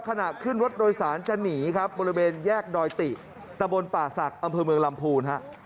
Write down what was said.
ขณะขึ้นรถโดยสารจะหนีครับบริเวณแยกดอยติตะบนป่าศักดิ์อำเภอเมืองลำพูนฮะ